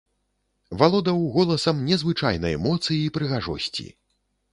Валодаў голасам незвычайнай моцы і прыгажосці.